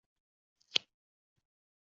Har bir ochiq eshikka